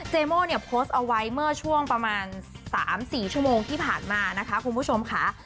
โม่เนี่ยโพสต์เอาไว้เมื่อช่วงประมาณ๓๔ชั่วโมงที่ผ่านมานะคะคุณผู้ชมค่ะ